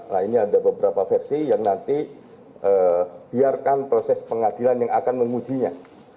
nah ini ada beberapa versi yang nanti biarkan proses pengadilan yang akan mengujinya